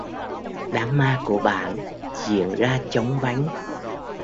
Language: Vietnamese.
Đám ma của bạn diễn ra chóng vánh